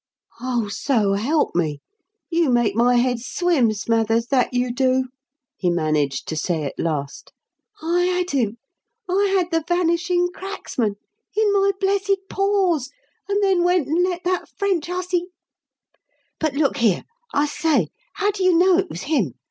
"Oh, so help me! You make my head swim, Smathers, that you do!" he managed to say at last. "I had him I had the Vanishing Cracksman in my blessed paws and then went and let that French hussy But look here; I say, now, how do you know it was him?